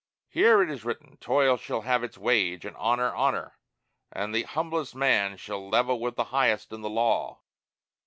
Here, it is written, Toil shall have its wage, And Honor honor, and the humblest man Stand level with the highest in the law.